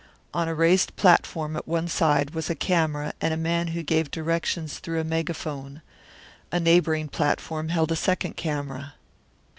On a raised platform at one side was a camera and a man who gave directions through a megaphone; a neighbouring platform held a second camera.